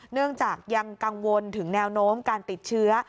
เนื่องจากยังกังวลถึงแนวโน้มการติดเชื้อ